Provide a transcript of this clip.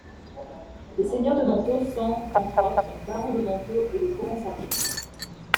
Les seigneurs de Montaut sont, entre autres, barons de Montaut et de Corrensaguet.